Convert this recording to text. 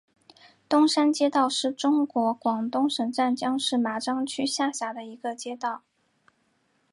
东山街道是中国广东省湛江市麻章区下辖的一个街道。